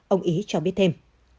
ông ý cho biết thêm